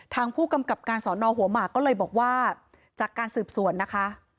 ทางผู้กำกับการสอนอหัวหมากก็เลยบอกว่าจากการสืบสวนนะคะ